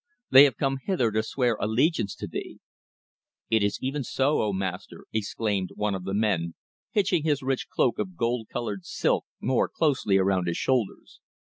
"They have come hither to swear allegiance to thee." "It is even so, O Master," exclaimed one of the men, hitching his rich cloak of gold coloured silk more closely around his shoulders.